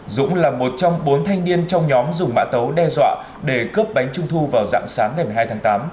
dũng là một trong bốn thanh niên trong nhóm dùng mã tấu đe dọa để cướp bánh trung thu vào dạng sáng ngày một mươi hai tháng tám